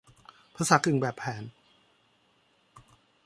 ภาษากึ่งแบบแผน